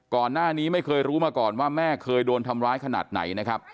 ก่อนหน้านี้ไม่เคยรู้มาก่อนว่าแม่เคยโดนทำร้ายขนาดไหนนะครับ